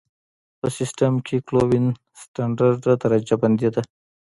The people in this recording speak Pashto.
په سیسټم کې کلوین ستندرده درجه بندي ده.